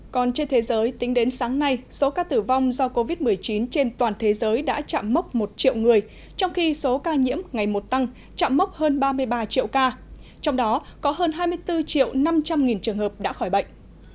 còn trên thế giới tính đến sáng nay số ca tử vong do covid một mươi chín trên toàn thế giới đã chạm mốc một triệu người trong khi số ca nhiễm ngày một tăng chạm mốc hơn ba mươi ba triệu ca trong đó có hơn hai mươi bốn triệu năm trăm linh trường hợp đã khỏi bệnh